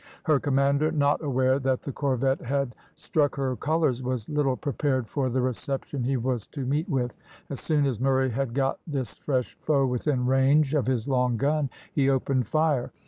Her commander, not aware that the corvette had struck her colours, was little prepared for the reception he was to meet with. As soon as Murray had got this fresh foe within range of his long gun he opened fire.